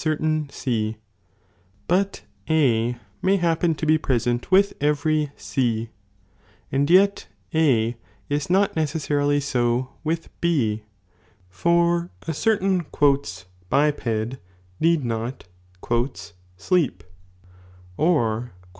tain C, but A may happen to be present with every C, and yet A 13 not necessarily so with B, for a certain " biped " need not "sleep" or "wake."